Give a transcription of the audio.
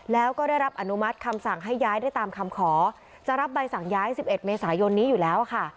แล้วก็ได้รับอนุมัติคำสั่งให้ย้ายได้ตามคำขอจะรับใบสั่งย้าย๑๑เมษายนนี้อยู่แล้วค่ะ